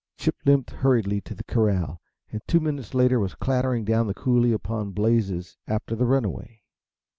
Chip limped hurriedly to the corral, and two minutes later was clattering down the coulee upon Blazes, after the runaway.